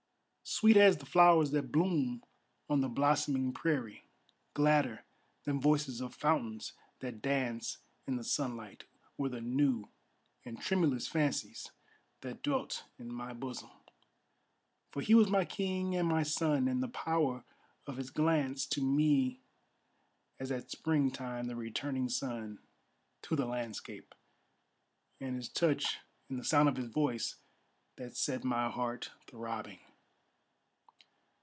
Sweet as the flowers that bloom on the blossoming prairie, Gladder than voices of fountains that dance in the sunlight, Were the new and tremulous fancies that dwelt in my bosom; For he was my king and my sun, and the power of his glance To me as at springtime the returning sun to the landscape, And his touch and the sound of his voice that set my heart throbbing.